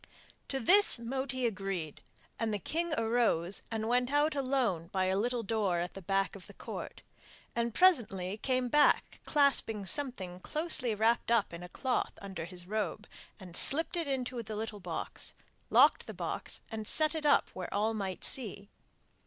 To this Moti agreed, and the king arose and went out alone by a little door at the back of the Court, and presently came back clasping something closely wrapped up in a cloth under his robe, slipped it into the little box, locked the box, and set it up where all might see.